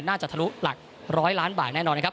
น่าจะทะลุรักษ์๑๐๐ล้านบาทแน่นอนนะครับ